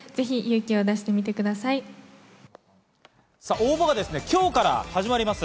応募が今日から始まります。